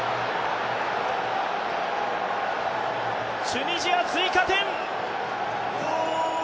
チュニジア追加点。